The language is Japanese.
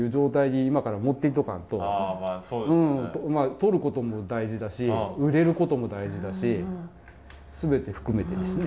とることも大事だし売れることも大事だし全て含めてですね。